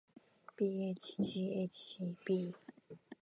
bhghcb